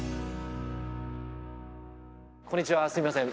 こんにちは、すみません。